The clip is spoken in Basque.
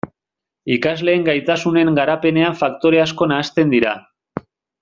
Ikasleen gaitasunen garapenean faktore asko nahasten dira.